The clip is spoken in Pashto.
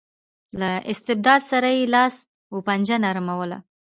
له استبداد سره یې لاس و پنجه نرموله.